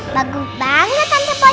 bagus banget tante pojone